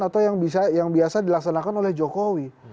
atau yang biasa dilaksanakan oleh jokowi